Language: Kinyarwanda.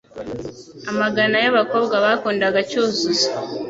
amagana y'abakobwa bakundaga Cyuzuzo